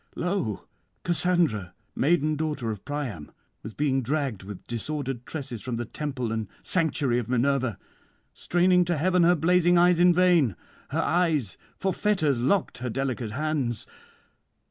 'Lo! Cassandra, maiden daughter of Priam, was being dragged with disordered tresses from the temple and sanctuary of Minerva, straining to heaven her blazing eyes in vain; her eyes, for fetters locked her delicate hands.